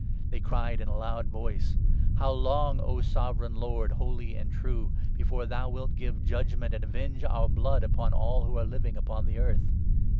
They 10 cried in a loud voice —' How long, O Sovereign Lord, holy and true, before thou wilt give judgement and avenge our blood upon all who are living upon the earth